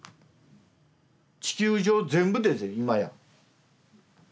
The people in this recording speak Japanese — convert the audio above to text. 地球上全部で今や。